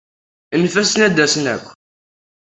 Anef-asen ad d-asen akk.